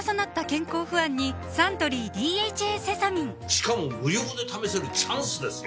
しかも無料で試せるチャンスですよ